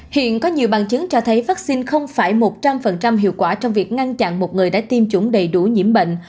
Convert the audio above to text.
hiện có nhiều bằng chứng cho thấy vaccine không phải một trăm linh hiệu quả trong việc ngăn chặn một người đã tiêm chủng đầy đủ nhiễm bệnh